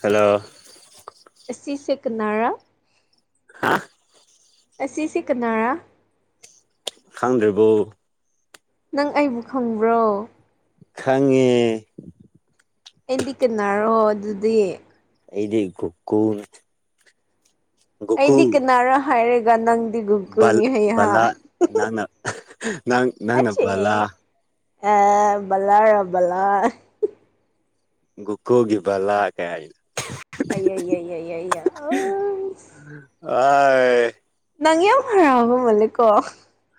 Hello. ꯑꯁꯤꯁꯦ ꯀꯅꯥꯔꯥ꯫ ꯍꯥ꯫ ꯑꯁꯤꯁꯤ ꯀꯅꯥꯔꯥ꯫ ꯈꯪꯗ꯭ꯔꯤꯕꯣ꯫ ꯅꯪ ꯑꯩꯕꯨ ꯈꯪꯕ꯭ꯔꯣ꯫ ꯈꯪꯉꯦ꯫ ꯑꯩꯗꯤ ꯀꯟꯅꯔꯣ ꯑꯗꯨꯗꯤ꯫ ꯑꯩꯗꯤ ꯒꯨꯀꯨꯜꯅꯤ꯫ ꯑꯩꯗꯤ ꯀꯅꯥꯔ ꯍꯥꯏꯔꯒ ꯅꯪꯗꯤ ꯕꯜ ꯒꯨꯒꯨꯜꯅꯤ ꯍꯩꯍꯥ꯫ ꯕꯂꯥ ꯅꯪꯅ꯫ ꯅꯪ꯫ ꯅꯪꯅ ꯑꯩꯁꯦ ꯕꯂꯥ ꯑꯥ ꯕꯂꯥꯔꯕꯂꯥ꯫ ꯨꯒꯣꯀꯨꯜꯒꯤ ꯕꯂꯥ ꯀꯥꯏ ꯍꯥꯏ ꯑꯩꯏ ꯑꯩꯏ ꯌꯥ ꯑꯁ ꯑꯥ ꯅꯪ ꯌꯥꯝ ꯍꯔꯧꯕ ꯃꯜꯂꯤꯀꯣ꯫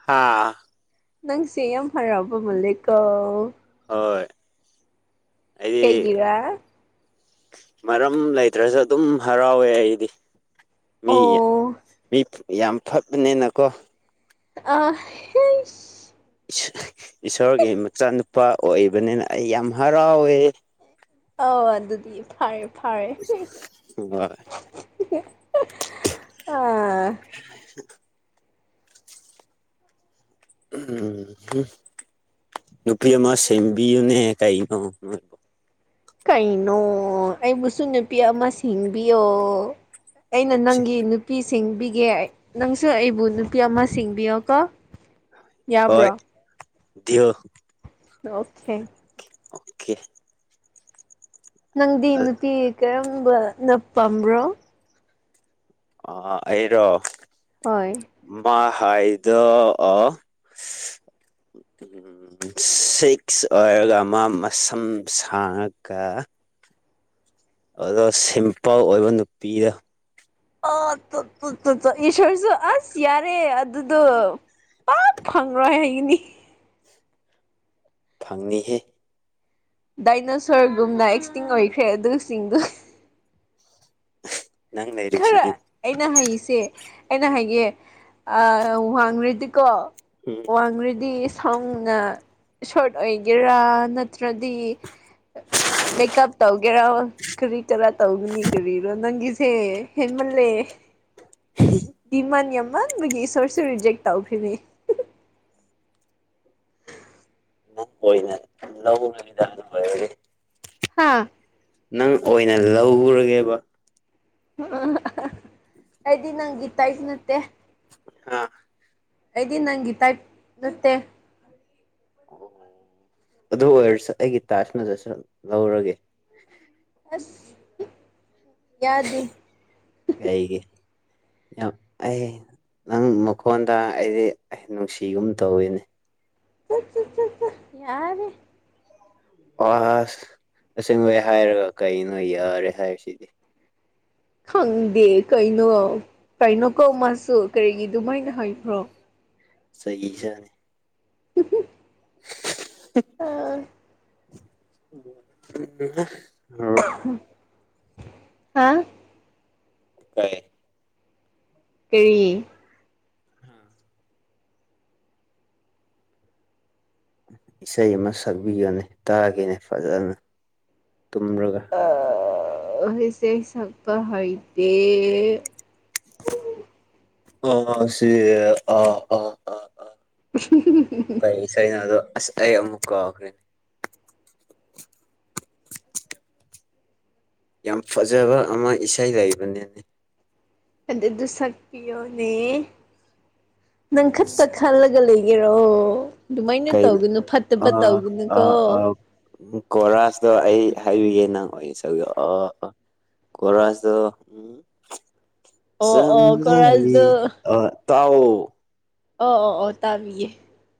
ꯍꯥꯥ꯫ ꯅꯪꯁꯦ ꯌꯥꯝ ꯍꯔꯥꯎꯕ ꯃꯜꯂꯦꯀꯣ꯫ ꯍꯣꯏ꯫ ꯑꯩꯗꯤ ꯀꯩꯒꯤꯔ꯫ ꯃꯔꯝ ꯂꯩꯇ꯭ꯔꯁꯨ ꯑꯗꯨꯝ ꯍꯔꯥꯎꯋꯦ ꯑꯩꯗꯤ꯫ ꯃꯤ ꯑꯣ ꯃꯤ ꯌꯥꯝ ꯐꯕꯅꯤꯅꯀꯣ꯫ ꯑꯥ꯫ ꯏꯁꯣꯔꯒꯤ ꯃꯆꯥꯅꯨꯄꯥ ꯑꯣꯏꯕꯅꯤꯅ ꯑꯩ ꯌꯥꯝ ꯍꯔꯥꯎꯋꯦ꯫ ꯑꯥ ꯑꯗꯨꯗꯤ ꯐꯔꯦ ꯐꯔꯦ꯫ ꯍꯣꯏ ꯑꯥ ꯎꯝ ꯅꯨꯄꯤ ꯑꯃ ꯁꯦꯝꯕꯤꯌꯨꯅꯦ ꯀꯥꯏꯩꯅꯣ ꯀꯩꯅꯣ ꯑꯩꯕꯨꯁꯨ ꯅꯨꯄꯤ ꯑꯃ ꯁꯤꯡꯕꯤꯌꯣ ꯑꯩꯅ ꯅꯪꯒꯤ ꯅꯨꯄꯤꯁꯤꯡꯕꯤꯒꯦ ꯅꯪꯁꯨ ꯑꯩꯕꯨ ꯅꯨꯄꯤ ꯑꯃ ꯁꯤꯡꯕꯤꯌꯣꯀꯣ ꯍꯣꯏ ꯌꯥꯕ꯭ꯔꯣ ꯗꯤꯜ ꯑꯣꯀꯦ ꯑꯣꯀꯦ ꯅꯪꯗꯤ ꯅꯨꯄꯤ ꯀꯔꯝꯕꯅ ꯄꯥꯝꯕ꯭ꯔꯣ ꯑꯥ ꯑꯩꯔꯣ ꯍꯣꯏ ꯃꯥ ꯍꯥꯏꯗꯣ ꯑꯣ ꯁꯤꯀ꯭ꯁ ꯑꯣꯏꯔꯒ ꯃꯥ ꯃꯁꯝ ꯁꯥꯡꯉꯒ꯫ ꯑꯗꯣ ꯁꯤꯝꯄꯜ ꯑꯣꯏꯕ ꯅꯨꯄꯤꯗ ꯑꯥ ꯏꯁꯣꯔꯁꯨ ꯑꯁ ꯌꯥꯔꯦ ꯑꯗꯨꯗꯣ ꯄꯥꯛ ꯐꯪꯉꯔꯣꯏ ꯍꯥꯏꯒꯤꯅꯤ꯫ ꯐꯪꯅꯤꯍꯦ꯫ ꯗꯥꯏꯅꯣꯁꯣꯔꯒꯨꯝꯅ ꯑꯦꯛꯁꯇꯤꯡ ꯑꯣꯏꯈ꯭ꯔꯦ ꯑꯗꯨꯁꯤꯡꯗꯨ꯫ ꯅꯪ ꯈꯔ ꯅꯩꯔꯤꯁꯤꯗꯤ ꯑꯩꯅ ꯍꯥꯏꯁꯦ ꯑꯩꯅ ꯍꯥꯏꯒꯦ ꯑꯥ ꯋꯥꯡ ꯔꯦꯗꯤꯀꯣ ꯎꯝ ꯋꯥꯡꯉꯔꯗꯤ ꯁꯥꯎꯅ ꯁꯣꯔꯠ ꯑꯣꯏꯒꯦꯔꯥ ꯅꯠꯇ꯭ꯔꯗꯤ ꯃꯦꯀꯞ ꯇꯧꯒꯦꯔ ꯀꯔꯤ ꯇꯔꯥ ꯇꯧꯒꯅꯤ ꯀꯔꯤꯔꯣ ꯅꯪꯒꯤꯁꯦ꯫ ꯍꯦꯃꯜꯂꯦ꯫ [unintelligible] ꯗꯤꯃꯥꯟ ꯌꯥꯝꯃꯟꯕꯒꯤ ꯏꯁꯣꯔꯁꯨ ꯔꯤꯖꯦꯛ ꯇꯧꯈ꯭ꯔꯤꯅꯦ ꯕꯨꯛ ꯑꯣꯏꯅ ꯂꯧꯕꯅꯤꯗ ꯑꯗꯨꯝ ꯑꯣꯏꯔꯗꯤ ꯍꯥꯥ꯫ ꯅꯪ ꯑꯣꯏꯅ ꯂꯧꯔꯒꯦꯕ ꯑꯩꯗꯤ ꯅꯪꯒꯤ ꯇꯥꯏꯞ ꯅꯠꯇꯦ ꯑꯥ꯫ ꯑꯩꯗꯤ ꯅꯪꯒꯤ ꯇꯥꯏꯞ ꯅꯠꯇꯦ꯫ ꯑꯣ ꯑꯗꯨ ꯑꯣꯏꯔꯁꯨ ꯑꯩꯒꯤ ꯇꯥꯏꯞ ꯅꯠꯇ꯭ꯔꯁꯨ ꯂꯧꯔꯒꯦ ꯑꯁ ꯌꯥꯗꯤ ꯀꯩꯒꯤ ꯌꯥꯝ ꯑꯩ ꯅꯪ ꯃꯈꯣꯟꯗ ꯑꯩꯗꯤ ꯅꯨꯡꯁꯤꯒꯨꯝ ꯇꯧꯋꯤꯅꯦ ꯆꯠ ꯆꯠ ꯆꯠ ꯆ ꯌꯥꯔꯦ꯫ ꯑꯁ ꯑꯁꯦꯡꯕꯩ ꯍꯥꯏꯔꯒ ꯀꯩꯅꯣ ꯌꯥꯔꯦ ꯍꯥꯏꯁꯤꯗꯤ꯫ ꯈꯪꯗꯦ ꯀꯩꯅꯣ ꯀꯩꯅꯣ ꯀꯧ ꯃꯥꯁꯨ ꯀꯔꯤꯒꯤ ꯑꯗꯨꯃꯥꯏꯅ ꯍꯥꯏꯕ꯭ꯔꯣ꯫ ꯆꯩ ꯆꯥꯅꯤ ꯎꯍꯨꯝ ꯍ [unintelligible] [unintelligible] ꯍꯥ ꯀꯩ꯫ ꯀꯔꯤ꯫ ꯍꯥ꯫ ꯏꯁꯩ ꯑꯃ ꯁꯛꯕꯤꯒꯦꯅꯦ ꯇꯥꯒꯦꯅꯦ ꯐꯖꯅ ꯇꯨꯝꯔꯒ꯫ ꯑ ꯏꯁꯩ ꯁꯥꯛꯄ ꯍꯩꯇꯦ꯫ ꯑ ꯁꯤ ꯑ ꯑ ꯑ꯫ ꯎꯝ ꯍꯨꯝ꯫ ꯀꯩ ꯏꯁꯩꯅꯣ ꯑꯗꯣ ꯑꯁ ꯑꯩ ꯑꯃꯨꯛ ꯀꯥꯎꯈ꯭ꯔꯦꯅꯦ [inaudible] ꯌꯥꯝ ꯐꯖꯕ ꯑꯃ ꯏꯁꯩ ꯂꯩꯕꯅꯦ꯫ ꯑꯗꯨꯗꯣ ꯁꯛꯄꯤꯌꯣꯅꯦ ꯅꯪ ꯈꯠꯇ ꯈꯜꯂꯒ ꯂꯩ꯫ ꯒꯤꯔꯣ ꯑꯗꯨꯃꯥꯏꯅ ꯀꯩꯅꯣ ꯇꯧꯒꯅꯨ ꯐꯠꯇꯕ ꯑ ꯑ ꯇꯧꯒꯅꯨꯀꯣ ꯑ ꯀꯣꯔꯥꯁꯇꯣ ꯑꯩ ꯍꯥꯏꯕꯤꯒꯦ ꯅꯪ ꯑꯣꯏ꯫ ꯑꯗꯨꯒ ꯑ ꯀꯣꯔ ꯔꯁꯗꯣ ꯎꯝ꯫ ꯑꯣ ꯑꯣ ꯆꯝꯂꯕꯤ ꯀꯣꯔꯁꯗꯨ ꯑꯣꯏ ꯇꯥꯎꯑꯣ꯫ ꯑꯣ ꯑꯣ ꯑꯣ ꯇꯥꯕꯤꯌꯦ꯫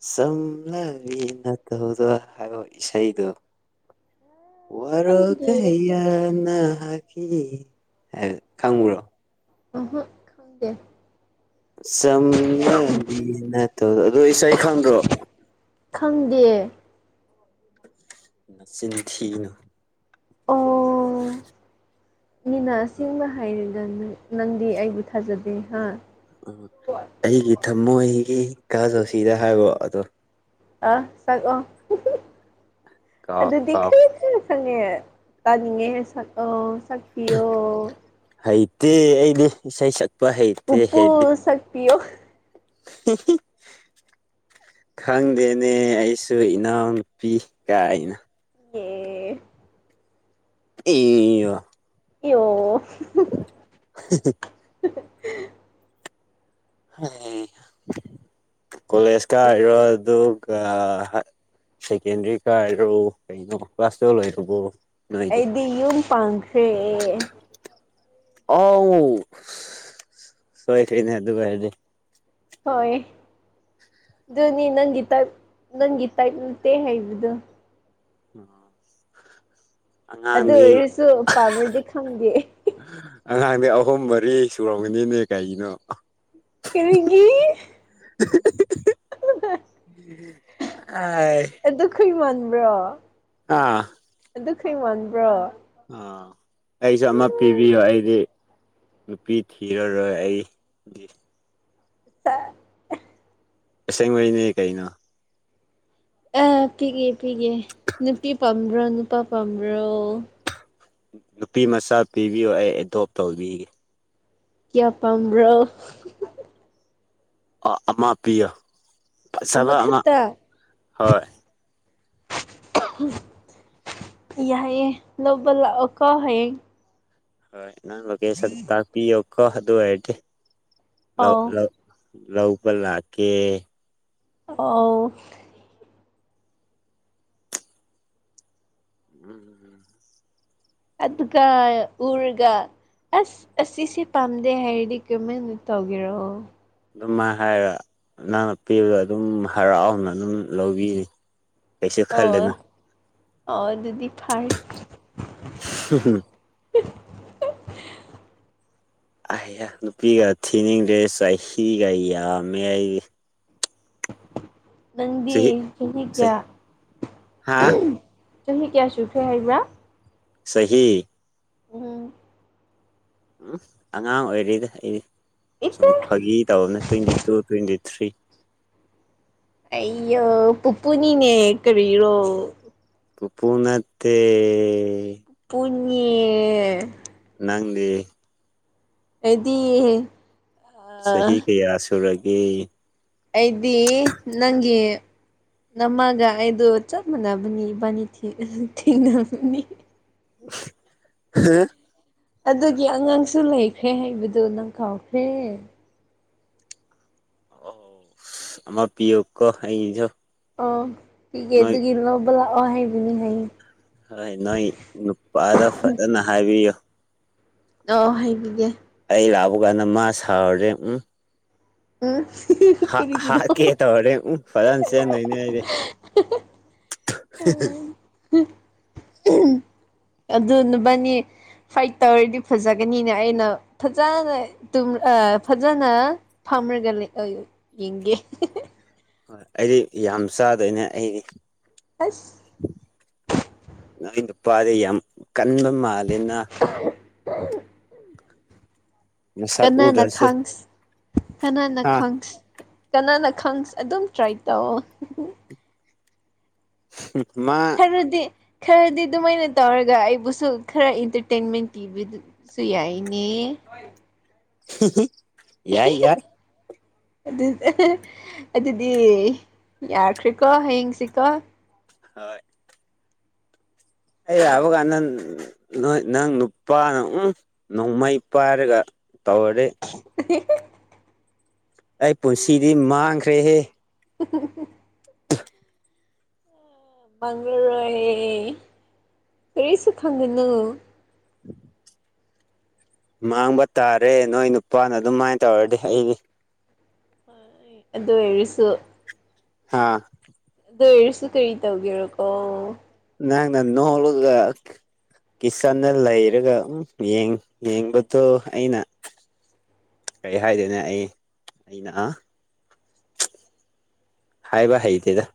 ꯆꯝꯂꯕꯤ ꯅꯇꯧꯗꯣ ꯍꯥꯏꯕ ꯏꯁꯩꯗꯣ ꯋꯥꯔꯒ ꯈꯪꯗꯦ ꯍꯥꯌꯥꯅ꯫ ꯍꯤ [unintelligible] ꯈꯪꯕꯔꯣ꯫ ꯈꯪꯗꯦ ꯆꯝꯅꯕꯤ ꯅꯇꯧꯗꯣ ꯑꯗꯨ ꯏꯁꯩꯗꯣ ꯈꯪꯗ꯭ꯔꯣ ꯈꯪꯗꯤꯌꯦ ꯅꯆꯤꯟ ꯊꯤ ꯑꯣ ꯃꯤꯅ ꯑꯁꯦꯡꯕ ꯍꯥꯏꯔꯒꯅꯤ ꯅꯪꯗꯤ ꯑꯩꯕꯨ ꯊꯥꯖꯗꯦ ꯍꯥ ꯎꯝ [unintelligible] ꯑꯩꯒꯤ ꯊꯃꯣꯏꯒꯤ ꯀꯥꯖꯧꯁꯤꯗ ꯍꯥꯏꯔꯣ ꯑꯗꯣ ꯑꯥ ꯆꯠꯂꯣ ꯀꯥꯎ ꯑꯗꯨꯗꯤ ꯀꯥꯎ ꯁꯪꯉꯦ ꯇꯥꯅꯤꯡꯉꯦ ꯁꯛꯑꯣ ꯁꯛꯄꯤꯌꯣ ꯍꯩꯇꯦ ꯑꯩꯗꯤ ꯏꯁꯩ [unintelligible] ꯄꯨꯄꯨ ꯍꯦꯕꯤꯠ ꯁꯛꯄꯤꯌꯣ [inaudible] ꯈꯪꯗꯦꯅꯦ ꯑꯩꯁꯨ ꯏꯅꯥꯎꯅꯨꯄꯤ ꯀꯥꯏꯅ ꯑꯦ ꯑꯦ ꯏꯌꯣ [inaudible] [inaudible] ꯀꯣꯂꯦꯖ ꯀꯥꯔꯤꯔꯣ ꯑꯗꯨ ꯁꯦꯀꯦꯟꯗꯔꯤ ꯀꯥꯔꯣ ꯀꯩꯅꯣ ꯀ꯭ꯂꯥꯁ ꯇꯨꯋꯦꯞ ꯂꯣꯏꯔꯕꯣ ꯅꯣꯏꯗꯤ ꯑꯩꯗꯤ ꯌꯨꯝ ꯄꯥꯡꯈ꯭ꯔꯦ ꯑꯣ ꯁꯣꯏꯈꯔꯦꯅꯦ ꯑꯗꯨ ꯑꯣꯢꯔꯥꯗꯤ ꯍꯣꯏ ꯑꯗꯨꯅꯤ ꯅꯪꯒꯤ ꯇꯥꯏꯞ ꯅꯪꯒꯤ ꯇꯥꯏꯞ ꯂꯨꯇꯦ ꯍꯥꯏꯕꯗꯣ [inaudible] ꯑꯗꯨ ꯑꯉꯥꯡꯗꯤ ꯑꯣꯏꯔꯁꯨ ꯄꯥꯝꯃ꯭ꯔꯗꯤ ꯈꯪꯗꯦ ꯑꯉꯥꯡꯗꯤ ꯑꯍꯨꯝ ꯃꯔꯤ ꯁꯨꯔꯝꯒꯅꯤꯅꯦ ꯀꯩꯒꯤꯅꯣ ꯀꯔꯤꯒꯤ ꯑꯥꯢ ꯈꯩꯃꯟꯕ꯭ꯔꯣ ꯑꯥ ꯑꯗꯨ ꯈꯩ ꯃꯥꯟꯕ꯭ꯔꯣ ꯑꯥ ꯑꯩꯁꯨ ꯑꯃ ꯄꯤꯕꯤꯌꯣ ꯑꯩꯗꯤ ꯅꯨꯄꯤ ꯊꯤꯔꯔꯣꯏ ꯑꯩꯗꯤ ꯑꯁꯦꯡꯕꯩꯅꯦ ꯀꯩꯅꯣ ꯑꯥ ꯄꯤꯒꯦ ꯄꯤꯒꯦ ꯅꯨꯄꯤ ꯄꯥꯝꯕ꯭ꯔꯣ ꯅꯨꯄꯥ ꯄꯥꯝꯕ꯭ꯔꯣ ꯅꯨꯄꯤ ꯃꯆꯥ ꯄꯤꯕꯤꯌꯣ ꯑꯩ ꯑꯦꯗꯣꯞ ꯇꯧꯕꯤꯒꯦ ꯀꯌꯥ ꯄꯥꯝꯕ꯭ꯔꯣ ꯑꯥ ꯑꯃ ꯄꯤꯌꯣ ꯐꯖꯕ ꯑꯃ ꯑꯃꯈꯠꯇ ꯍꯣꯏ ꯌꯥꯏꯌꯦ ꯂꯧꯕ ꯂꯥꯛꯑꯣ ꯀꯣ ꯍꯌꯦꯡ ꯍꯣꯏ ꯅꯪ ꯂꯣꯀꯦꯁꯟ ꯇꯥꯛꯄꯤꯌꯣꯀꯣ ꯑꯗꯨ ꯑꯣꯏꯔꯗꯤ ꯂꯧ ꯑꯧ ꯂꯧ ꯂꯧꯕ ꯂꯥꯛꯀꯦ ꯑꯧ ꯎꯝ ꯑꯗꯨꯒ ꯎꯔꯒ ꯑꯁ ꯑꯁꯤꯁꯦ ꯄꯥꯝꯗꯦ ꯍꯥꯏꯔꯗꯤ ꯀꯃꯥꯏꯅ ꯇꯧꯒꯦꯔꯣ ꯑꯗꯨꯝꯥꯏ ꯍꯥꯏꯔ ꯅꯪꯅ ꯄꯤꯕꯗꯣ ꯑꯗꯨꯝ ꯍꯔꯥꯎꯅ ꯑꯗꯨꯝ ꯂꯧꯕꯤ ꯑꯣ ꯑꯣ ꯑꯗꯨꯗꯤ ꯐꯔꯦ [unintelligible] ꯑꯥꯏꯌꯥ ꯅꯨꯄꯤꯒ ꯊꯤꯅꯤꯡꯗ꯭ꯔꯦ ꯆꯍꯤꯒ ꯌꯥꯝꯃꯦ ꯑꯩꯗꯤ ꯅꯪꯗꯤ ꯆꯍꯤ ꯀꯌꯥ ꯍꯥ ꯆꯍꯤ ꯀꯌꯥ ꯁꯨꯈ꯭ꯔꯦ ꯍꯥꯏꯕ꯭ꯔꯥ ꯆꯍꯤ ꯎꯝ ꯎꯝ ꯑꯉꯥꯡ ꯑꯣꯏꯔꯤꯗ ꯑꯩꯗꯤ ꯁꯨꯝ ꯏꯆꯦ ꯐꯥꯒꯤ ꯇꯧꯕꯅꯤ ꯇ꯭ꯋꯦꯟꯇꯤ ꯇꯨ ꯇ꯭ꯋꯦꯟꯇꯤ ꯊ꯭ꯔꯤ ꯑꯩ ꯄꯨꯄꯨꯅꯤꯅꯦ ꯀꯔꯤꯔꯣ ꯄꯨꯄꯨ ꯅꯠꯇꯦ ꯄꯨꯄꯦꯅꯦ ꯅꯪꯗꯤ ꯑꯦꯠꯇꯤ ꯆꯍꯤ ꯀꯌꯥ ꯁꯨꯔꯒꯦ ꯑꯩꯇꯤ ꯅꯪꯗꯤ ꯅꯝꯃꯒ ꯑꯩꯗꯨ ꯆꯞ ꯃꯥꯟꯅꯕꯅꯤ ꯏꯕꯅꯤ ꯊꯦꯡ ꯊꯦꯡꯅꯕꯅꯤ [unintelligible] ꯑꯗꯨꯒꯤ ꯑꯉꯥꯡꯁꯨ ꯂꯩꯈ꯭ꯔꯦ ꯍꯥꯏꯕꯗꯨ ꯅꯪ ꯀꯥꯎꯈ꯭ꯔꯦ ꯑꯣ ꯑꯃ ꯄꯤꯌꯨꯀꯣ ꯑꯩꯒꯤꯖꯨ ꯑꯣ ꯄꯤꯒꯦ ꯑꯗꯨꯒꯤ ꯂꯧꯕ ꯂꯥꯛꯑꯣ ꯍꯥꯏꯕꯅꯤ ꯍꯥꯏꯌꯦ ꯍꯣꯏ ꯅꯣꯏ ꯅꯨꯄꯥꯗ ꯐꯖꯅ ꯍꯥꯏꯕꯤꯌꯨ ꯗꯣ ꯍꯥꯏꯕꯤꯒꯦ ꯑꯩ ꯂꯥꯛꯎꯒꯅ ꯃꯥ ꯁꯥꯎꯔꯗꯤ ꯎꯝ [unintelligible] ꯍꯥ ꯍꯥ ꯀꯦ ꯇꯧꯔꯗꯤ ꯎꯝ ꯐꯖꯅ ꯆꯦꯟꯗꯣꯏꯅꯦ ꯑꯩꯗꯤ꯫ ꯑꯗꯨ ꯅꯕꯅꯤ ꯐꯥꯏꯠ ꯇꯧꯔꯗꯤ ꯐꯖꯒꯅꯤꯅꯦ ꯑꯩꯅ ꯐꯖꯅ ꯇꯨꯝ ꯐꯖꯅ꯫ ꯐꯝꯔꯒ ꯑ ꯌꯦꯡꯒꯦ꯫ ꯑꯩꯗꯤ ꯌꯥꯝ ꯆꯥꯗꯣꯏꯅꯦ ꯑꯩꯗꯤ꯫ ꯑꯁ꯫ ꯅꯣꯏ ꯅꯨꯄꯥꯗꯤ ꯌꯥꯝ ꯀꯟꯕ ꯃꯥꯜꯂꯦꯅ꯫ [inaudible] ꯃꯁꯛ ꯀꯅꯥꯅ ꯎꯗ꯭ꯔꯁꯨ ꯈꯪꯁ ꯀꯅꯥꯅ ꯑꯥ ꯈꯪꯁ꯫ ꯀꯅꯥꯅ ꯈꯪꯁ ꯑꯗꯨꯝ ꯇ꯭ꯔꯥꯏ ꯇꯧꯑꯣ꯫ ꯃꯥ ꯈꯔꯗꯤ ꯈꯔꯗꯤ ꯑꯗꯨꯃꯥꯏꯅ ꯇꯧꯔꯒ ꯑꯩꯕꯨꯁꯨ ꯈꯔ ꯏꯟꯇ꯭ꯔꯇꯦꯟꯃꯦꯟ ꯄꯤꯕꯗꯨ ꯁꯨ ꯌꯥꯏꯌ‌ꯦꯅꯦ ꯌꯥꯏ ꯌꯥꯏ ꯑꯗꯨꯗꯤ ꯌꯥꯈ꯭ꯔꯦꯀꯣ ꯍꯌꯦꯡꯁꯤꯀꯣ꯫ ꯍꯣꯏ꯫ ꯑꯩ ꯂꯥꯛꯄ ꯀꯥꯟꯗ ꯅꯣꯏ ꯅꯪ ꯅꯨꯄꯥꯅ ꯎꯝ ꯅꯣꯡꯃꯩ ꯄꯥꯏꯔꯒ ꯇꯧꯔꯗꯤ꯫ [unintelligible] ꯑꯩ ꯄꯨꯟꯁꯤꯗꯤ ꯃꯥꯡꯈ꯭ꯔꯦꯍꯦ꯫ [unintelligible] [unintelligible] ꯃꯥꯡꯒ꯭ꯔꯣꯏꯌꯦ ꯀꯔꯤꯁꯨ ꯈꯪꯒꯅꯨ꯫ [inaudible] ꯃꯥꯡꯕ ꯇꯥꯔꯦ ꯅꯣꯏ ꯅꯨꯄꯥꯅ ꯑꯗꯨꯃꯥꯏꯅ ꯇꯧꯔꯗꯤ ꯑꯩꯗꯤ꯫ ꯐꯔꯦ꯫ ꯑꯗꯨ ꯑꯣꯏꯔꯁꯨ꯫ ꯍꯥꯥ꯫ ꯑꯗꯨ ꯑꯣꯏꯔꯁꯨ ꯀꯔꯤ ꯇꯧꯒꯦꯔꯥꯀꯣ꯫ ꯅꯪꯅ ꯅꯣꯛꯂꯒ ꯀꯤꯆꯟꯗ ꯂꯩꯔꯒ ꯎꯝ ꯌꯦꯡ ꯌꯦꯡꯕꯗꯣ ꯑꯩꯅ ꯀꯩ ꯍꯥꯏꯗꯣꯏꯅꯣ ꯑꯩ ꯑꯩꯅꯥ ꯍꯥꯏꯕ ꯍꯩꯇꯦꯗ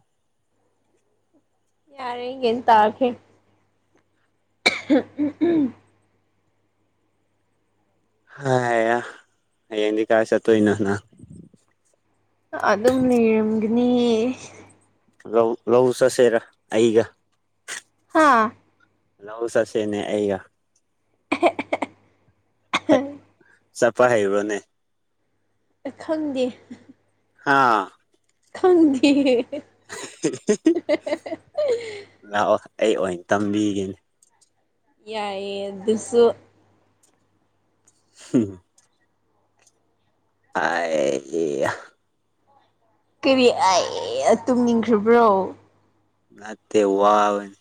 ꯌꯥꯔꯦ ꯒꯦꯟ ꯇꯥꯈ꯭ꯔꯦ [unintelligible] ꯍꯥꯏꯌꯥ ꯍꯌꯦꯡꯗꯤ ꯀꯥꯏ ꯆꯠꯇꯣꯏꯅꯣ ꯅꯪ ꯑꯗꯨꯝ ꯅꯤꯔꯝꯒꯅꯤ ꯂꯧ ꯂꯧ ꯆꯠꯁꯦꯔ ꯑꯩꯒ ꯍꯥ ꯂꯧ ꯆꯠꯁꯦꯅꯦ ꯑꯩꯒ [unintelligible] ꯍꯩ ꯆꯠꯄ ꯍꯩꯕ꯭ꯔꯣꯅꯦ ꯑꯩ ꯈꯪꯗꯦ ꯑꯥ ꯈꯪꯗꯤꯌꯦ ꯂꯥꯛꯑꯣ ꯑꯩ ꯑꯣꯏꯅ ꯇꯝꯕꯤꯒꯦꯅꯦ ꯌꯥꯏꯌꯦ ꯑꯗꯨꯁꯨ [unintelligible] [unintelligible] ꯀꯔꯤ [unintelligible] ꯇꯨꯝꯅꯤꯡꯈ꯭ꯔꯕ꯭ꯔꯣ ꯅꯠꯇꯦ ꯋꯥꯕꯅꯤ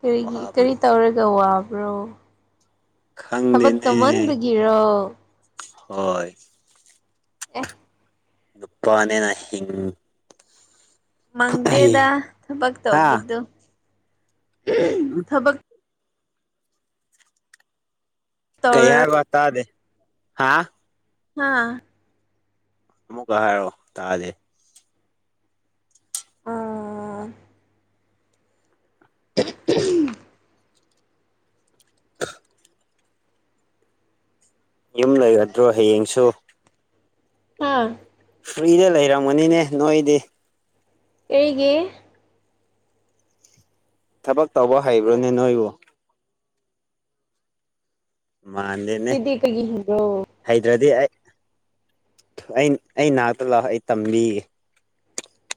ꯀꯔꯤꯒꯤ ꯀꯔꯤ ꯋꯥꯕꯒꯤ ꯇꯧꯔꯒ ꯋꯥꯕ꯭ꯔꯣ ꯊꯕꯛ ꯈꯪꯗꯦꯅꯦ ꯇꯧꯃꯟꯕꯒꯤꯔꯣ ꯍꯣꯏ ꯑꯦ ꯅꯨꯄꯥꯅꯦꯅ ꯍꯤꯡ ꯃꯪꯗꯦꯗ ꯊꯕꯛ ꯍꯥ ꯇꯧꯕꯗꯨ [inaudible] ꯊꯕꯛ ꯀꯩ ꯇꯧꯔꯔꯣ ꯍꯥꯏꯕ ꯇꯥꯗꯦ ꯍꯥꯥ ꯃꯥ ꯑꯃꯨꯛꯀ ꯍꯥꯏꯔꯛꯑꯣ ꯇꯥꯥꯗꯦ ꯑꯥ [unintelligible] ꯈ ꯌꯨꯝ ꯂꯩꯔꯗ꯭ꯔꯣ ꯍꯌꯦꯡꯁꯨ ꯍꯥꯥ ꯐ꯭ꯔꯤꯗ ꯂꯩꯔꯝꯃꯅꯤꯅꯦ ꯅꯣꯏꯗꯤ ꯀꯔꯤꯒꯤ ꯊꯕꯛ ꯇꯧꯕ ꯍꯩꯕ꯭ꯔꯣꯅꯦ ꯅꯣꯏꯕꯣ ꯃꯥꯟ ꯑꯩꯗꯤ ꯀꯩꯒꯤ [unintelligible] ꯍꯩꯇ꯭ꯔꯗꯤ ꯑꯩ ꯑꯩ ꯑꯩ ꯅꯥꯛꯇ ꯂꯥꯛꯑꯣ ꯑꯩ ꯇꯝꯕꯤꯒꯦ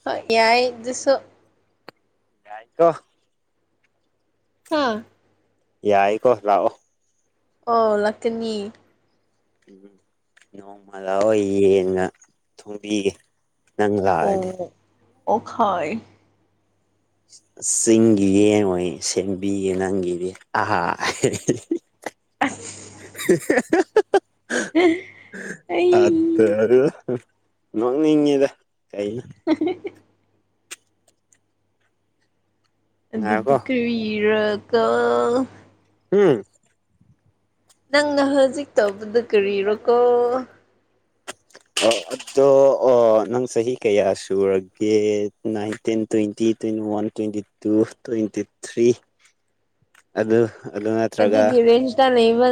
ꯍꯣꯏ ꯌꯥꯏ ꯑꯗꯨꯁꯨ ꯌꯥꯏꯀꯣ ꯍꯥꯥ ꯌꯥꯏꯀꯣ ꯂꯥꯛꯑꯣ ꯑꯣ ꯂꯥꯛꯀꯅꯤ ꯎꯝ ꯅꯣꯡꯃ ꯂꯥꯑꯣ ꯌꯦꯟꯒ ꯊꯣꯡꯕꯤꯒꯦ ꯅꯪ ꯑꯣ ꯂꯥꯛꯑꯗꯤ ꯑꯣꯈꯣꯏ ꯆꯤꯡꯒꯤ ꯌꯦꯡꯉꯣꯏ ꯁꯦꯝꯕꯤꯒꯦ ꯅꯪꯒꯤꯗꯤ [inaudible] ꯑꯁ ꯑꯩ ꯑꯥꯗ ꯅꯣꯛꯅꯤꯡꯉꯤꯗ ꯀꯩꯅꯣ [unintelligible] ꯑꯗꯨꯗ ꯉꯥꯏꯈꯣ ꯀꯔꯤꯔꯒ ꯍꯨꯝ ꯅꯪꯅ ꯍꯧꯖꯤꯛ ꯇꯧꯕꯗꯣ ꯀꯔꯤꯔꯣꯀꯣ ꯑꯣ ꯑꯗꯣ ꯑꯣ ꯅꯪ ꯆꯍꯤ ꯀꯌꯥ ꯁꯨꯔꯒꯦ ꯅꯥꯏꯟ ꯇꯤꯟ twenty twenty one twenty two twenty three ꯑꯗꯨ ꯑꯗꯨ ꯅꯠꯇ꯭ꯔꯒ ꯑꯗꯨꯒꯤ ꯔꯦꯁ ꯇ ꯂꯩꯕ